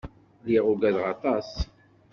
Lliɣ uggadeɣ aṭas.